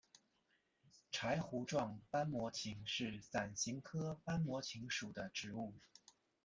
柴胡状斑膜芹是伞形科斑膜芹属的植物。